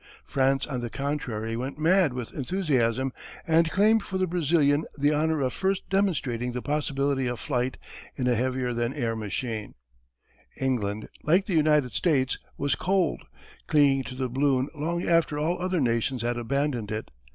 France on the contrary went mad with enthusiasm, and claimed for the Brazilian the honour of first demonstrating the possibility of flight in a heavier than air machine. England, like the United States, was cold, clinging to the balloon long after all other nations had abandoned it.